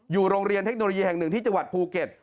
อยู่โรงเรียนเทคโนโลยีแห่งหนึ่งที่จังหวัดภูเก็ต